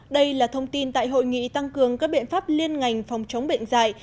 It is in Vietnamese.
đây là thông tin tại hội nghị tăng cường các biện pháp liên ngành phòng chống bệnh dạy